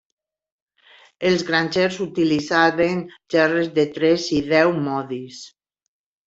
Els grangers utilitzaven gerres de tres i deu modis.